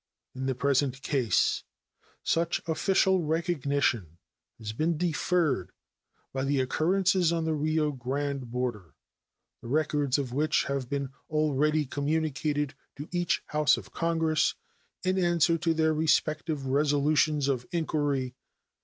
In the present case such official recognition has been deferred by the occurrences on the Rio Grande border, the records of which have been already communicated to each House of Congress in answer to their respective resolutions of inquiry.